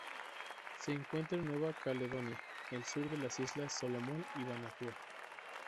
Se encuentra en Nueva Caledonia, el sur de las islas Solomon y Vanuatu.